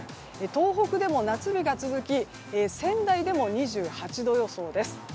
東北でも夏日が続き仙台でも２８度予想です。